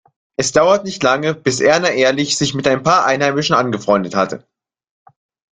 Es dauerte nicht lange, bis Erna Ehrlich sich mit ein paar Einheimischen angefreundet hatte.